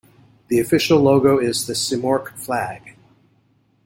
The official logo is the Simorq flag.